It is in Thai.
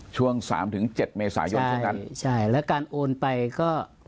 ช่วงสามถึงเจ็ดเมษายนช่วงนั้นใช่ใช่แล้วการโอนไปก็